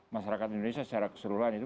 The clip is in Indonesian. masyarakat indonesia secara keseluruhan itu